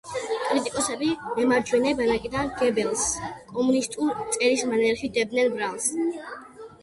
კრიტიკოსები მემარჯვენე ბანაკიდან გებელსს „კომუნისტურ“ წერის მანერაში დებდნენ ბრალს.